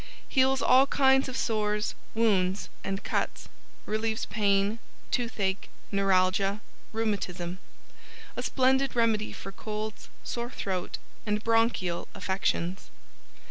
Heals all kinds of sores, wounds and cuts. Relieves Pain Toothache, Neuralgia, Rheumatism. A splendid remedy for colds, sore throat, and Bronchial Affections.